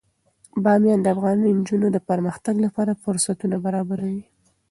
بامیان د افغان نجونو د پرمختګ لپاره فرصتونه برابروي.